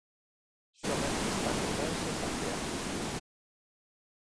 Soamente están Ourense e Santiago.